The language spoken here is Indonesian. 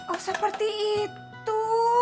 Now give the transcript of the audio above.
oh seperti itu